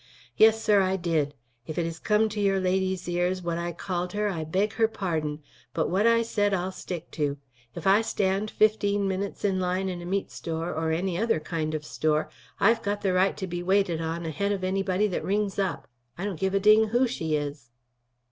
"Yes, sir, I did. If it has come to your lady's ears what I called her, I beg her pardon. But what I said I'll stick to. If I stand fifteen minutes in line in a meat store or any other kind of store, I've got a right to be waited on ahead of anybody that rings up, I don't give a ding who she is."